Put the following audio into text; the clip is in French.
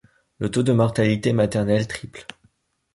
Le taux de mortalité maternel triple.